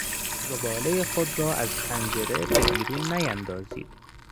زبالهی خود را از پنجره به بیرون نیاندازید.